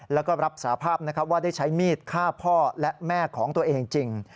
แล้วก็รับสาภาพว่าได้ใช้มีดฆ่าพ่อและแม่ของตัวเองจริง